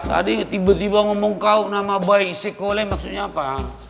tadi tiba tiba ngomong kaum nama baik sekolah maksudnya apa